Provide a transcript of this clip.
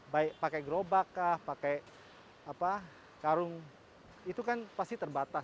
baik pakai gerobak kah pakai karung itu kan pasti terbatas